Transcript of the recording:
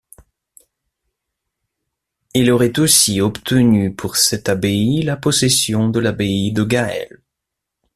Il aurait aussi obtenu pour cette abbaye la possession de l’abbaye de Gaël.